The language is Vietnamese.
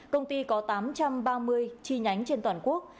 công ty có tám trăm ba mươi chi nhánh trên toàn quốc